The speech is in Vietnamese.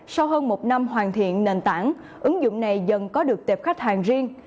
sau hơn một năm hoàn thiện nền tảng ứng dụng này dần có được tệp khách hàng riêng